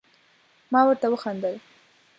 ما ورته وخندل ،